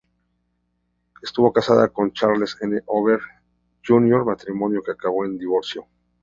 Estuvo casada con Charles N. Over Jr., matrimonio que acabó en divorcio.